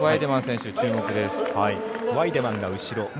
ワイデマンが後ろ。